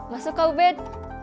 masuk kau bed